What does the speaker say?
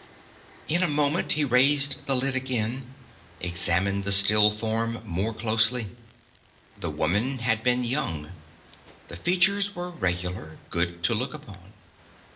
In a moment he raised the lid again; examined the still form more closely. The woman had been young. The features were regular, good to look upon.